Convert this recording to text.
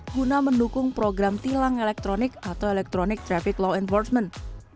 guna mendukung program tilang elektronik atau electronic traffic law enforcement